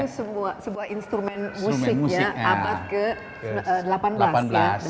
itu sebuah instrumen musik ya abad ke delapan belas ya